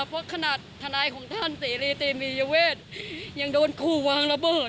เพราะทนายของท่านเซเลเตมียเวชยังโดนคู่วางระเบิด